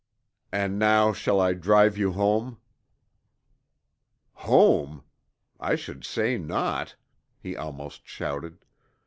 "And now shall I drive you home?" "Home? I should say not!" he almost shouted.